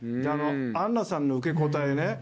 アンナさんの受け答えね。